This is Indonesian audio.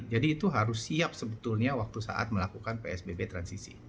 jadi itu harus siap sebetulnya waktu saat melakukan psbb transisi